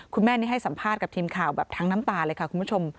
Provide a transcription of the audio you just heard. คุณแม่นี่ให้สัมภาษณ์กับทีมข่าวแบบทั้งน้ำตาเลยค่ะคุณผู้ชม